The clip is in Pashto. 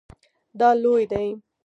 دا لوی دی